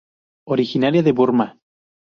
Originaria de Burma.